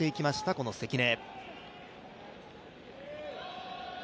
この関根。